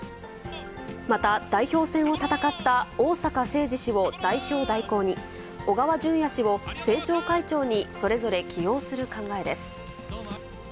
また、代表選を戦った逢坂誠二氏を代表代行に、小川淳也氏を政調会長にそれぞれ起用する考えです。